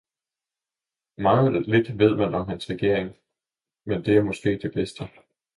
Meget lidt veed man om hans Regjering, men det er maaskee det Bedste.